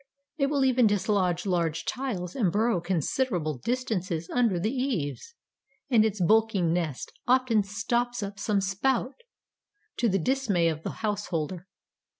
It will even dislodge large tiles and burrow considerable distances under the eaves, and its bulky nest often stops up some spout, to the dismay of the householder.